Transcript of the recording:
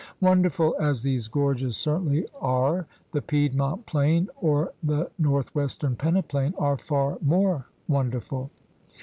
Wonderful as these gorges certainly are, the Piedmont plain or the north western peneplain is far more wonderful.